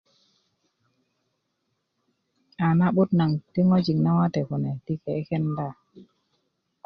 a na'but naŋ ti ŋojik nawate kune ti kekenda